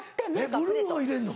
えっブルーを入れんの？